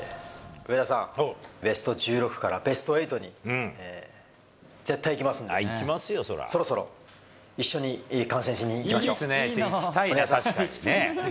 上田さん、ベスト１６からベスト８に絶対行きますんで、そろそろ一緒に観戦しに行きましょう。